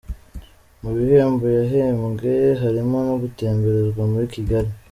Mu bihembo yahembwe harimo no gutemberezwa muri Kigali.